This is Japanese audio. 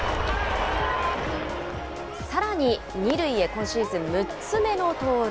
さらに２塁へ今シーズン６つ目の盗塁。